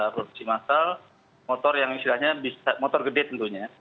produksi massal motor yang istilahnya motor gede tentunya